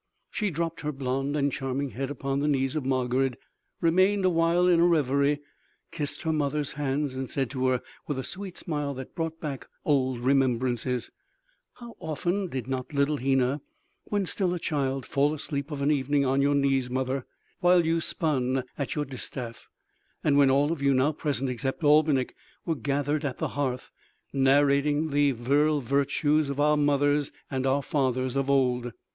She dropped her blonde and charming head upon the knees of Margarid, remained a while in a revery, kissed her mother's hands and said to her with a sweet smile that brought back old remembrances: "How often did not little Hena, when still a child, fall asleep of an evening on your knees, mother, while you spun at your distaff, and when all of you now present, except Albinik, were gathered at the hearth, narrating the virile virtues of our mothers and our fathers of old!"